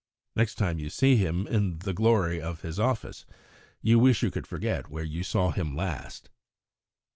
Next time you see him in the glory of his office, you wish you could forget where you saw him last.